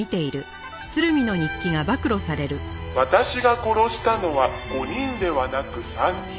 「“私が殺したのは５人ではなく３人”」